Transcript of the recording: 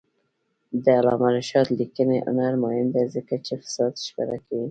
د علامه رشاد لیکنی هنر مهم دی ځکه چې فساد ښکاره کوي.